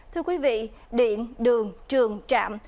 thưa quý vị điện đường trường trạm